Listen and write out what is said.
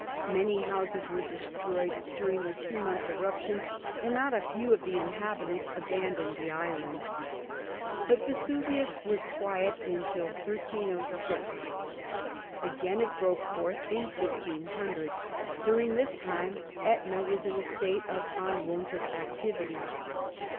Many houses were destroyed during the two months' eruption; and not a few of the inhabitants abandoned the island. But Vesuvius was quiet till 1306. Again it broke forth in 1500. During this time Ætna was in a state of unwonted activity.